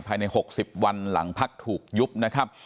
ภายใน๖๐วันหลังพักถูกยุบนะครับ